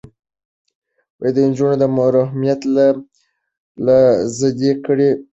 د نجونو محرومیت له زده کړې ستر زیان دی.